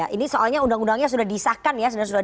ini soalnya undang undangnya sudah disahkan ya